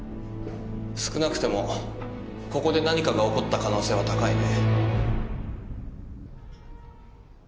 少なくともここで何かが起こった可能性は高いね。